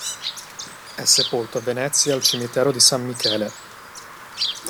È sepolto a Venezia al Cimitero di San Michele.